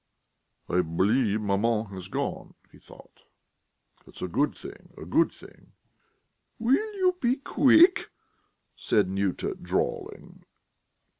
"I believe maman has gone," he thought. "That's a good thing ... a good thing...." "Will you be quick?" said Nyuta, drawling.